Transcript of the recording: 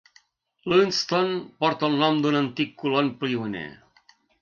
Lewiston porta el nom d'un antic colon pioner.